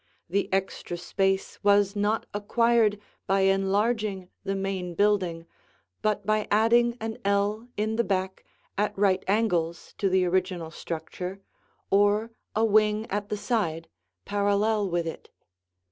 The extra space was not acquired by enlarging the main building but by adding an ell in the back at right angles to the original structure, or a wing at the side, parallel with it.